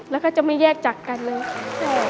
แล้วก็จะไม่แยกจากกันเลยค่ะ